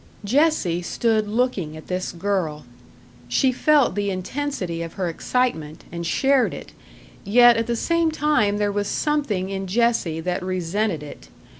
Jessie stood looking at this girl. She felt the intensity of her excitement, and shared it; yet at the same time there was something in Jessie that resented it.